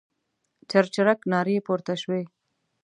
چرچرک نارې پورته شوې.